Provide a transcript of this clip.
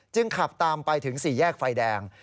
ขับตามไปถึง๔แยกไฟแดง